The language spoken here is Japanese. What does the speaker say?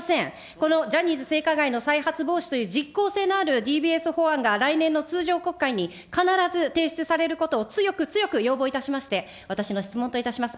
このジャニーズ性加害の再発防止という実効性のあるＤＢＳ法案が来年の通常国会に必ず提出されることを強く強く要望いたしまして、私の質問といたします。